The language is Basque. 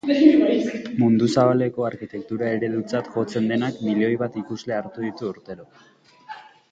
Mundu zabaleko arkitektura eredutzat jotzen denak milioi bat ikusle hartu ditu urtero.